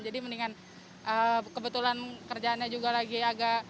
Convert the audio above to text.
jadi mendingan kebetulan kerjaannya juga lagi agak